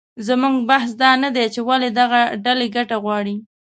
زموږ بحث دا نه دی چې ولې دغه ډلې ګټه غواړي